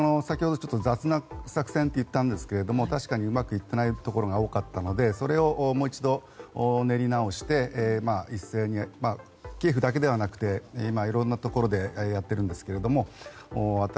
先ほど雑な作戦と言ったんですけれども確かにうまくいっていないところが多かったのでそれをもう一度練り直してキエフだけでなくていろんなところでやっているんですけれども。